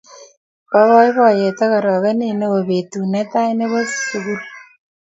bo boiboiet ak orokinet neoo betut ne tai nebo sukul